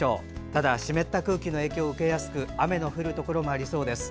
ただ湿った空気の影響を受けやすく雨の降るところもありそうです。